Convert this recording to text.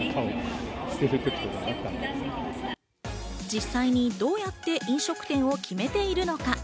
実際にどうやって飲食店を決めているのか。